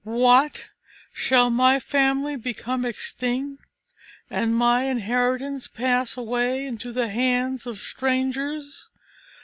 What! shall my family become extinct, and my inheritance pass away into the hands of strangers?